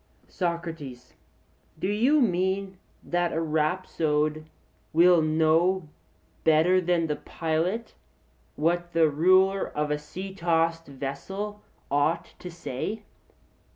SOCRATES: Do you mean that a rhapsode will know better than the pilot what the ruler of a sea tossed vessel ought to say?